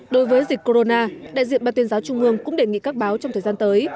đối với dịch corona đại diện ban tuyên giáo trung ương cũng đề nghị các báo trong thời gian tới